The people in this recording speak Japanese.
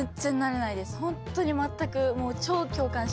ホントに全く。